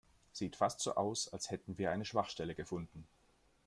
Sieht fast so aus, als hätten wir eine Schwachstelle gefunden.